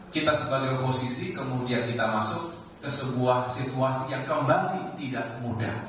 kita sebagai oposisi kemudian kita masuk ke sebuah situasi yang kembali tidak mudah